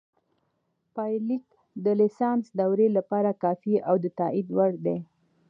پایلیک د لیسانس دورې لپاره کافي او د تائید وړ دی